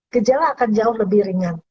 gejala akan jauh lebih ringan